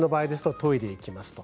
トイレに行きます。